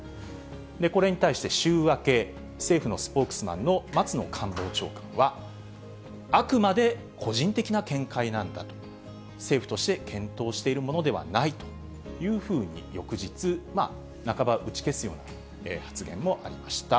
これに対して、週明け、政府のスポークスマンの松野官房長官は、あくまで個人的な見解なんだと、政府として検討しているものではないというふうに翌日、半ば打ち消すような発言もありました。